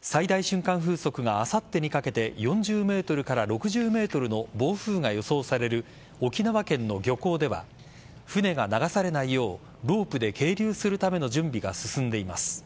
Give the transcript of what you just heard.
最大瞬間風速があさってにかけて４０メートルから６０メートルの暴風が予想される沖縄県の漁港では船が流されないようロープで係留するための準備が進んでいます。